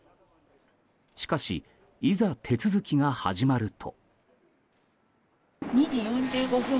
しかしいざ手続きが始まると。